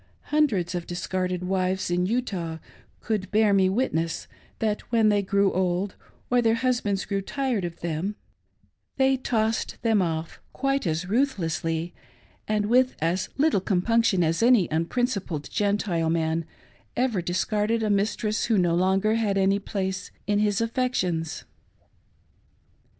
Hundreds of discarded wives in Utah could bear me witness that when they grew old, or their husbands grew tired of them, they cast them off 29 472 A PICTURE, quite as ruthlessly and with as little compunction as any unprincipled Gentile man ever discarded a mistress who no longer had any place in his affections.